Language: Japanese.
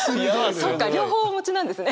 そっか両方お持ちなんですね。